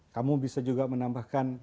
kamu bisa juga menambahkan